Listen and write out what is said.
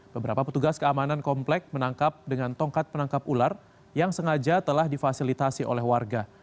beberapa petugas keamanan komplek menangkap dengan tongkat penangkap ular yang sengaja telah difasilitasi oleh warga